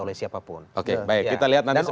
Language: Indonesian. oleh siapapun oke baik kita lihat nanti